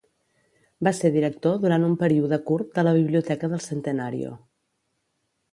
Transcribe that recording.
Va ser director durant un període curt de la Biblioteca del Centenario.